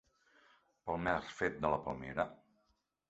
Pel mer fet de la palmera?